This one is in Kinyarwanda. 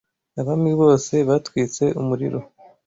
abami bose batwitse umuriro